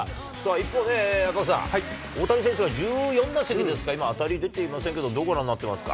一方ね、赤星さん、大谷選手は１４打席ですか、今、当たり出ていませんけれども、どんなことになってますか。